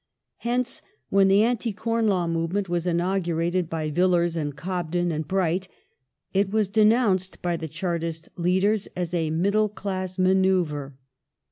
Hence, when the Anti Corn Law movement was inaugurated by V^illiei s and Cobden and Bright, it was denounced by the Chartist leaders as a middle class manoeuvre.